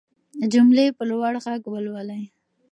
جملې په لوړ غږ ولولئ.